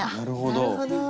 なるほど。